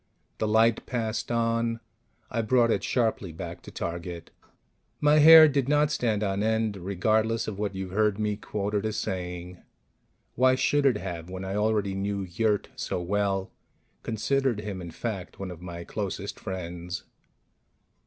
The light passed on. I brought it sharply back to target. My hair did not stand on end, regardless of what you've heard me quoted as saying. Why should it have, when I already knew Yurt so well considered him, in fact, one of my closest friends?